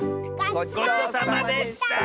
ごちそうさまでした！